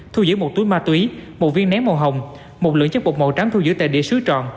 thu giữ một túi ma túy một viên nén màu hồng một lượng chất bột màu trắng thu giữ tại địa sứ trọn